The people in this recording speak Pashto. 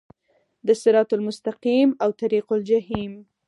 د صراط المستقیم او طریق الجحیم